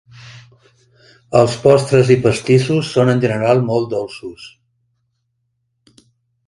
Els postres i pastissos són en general molt dolços.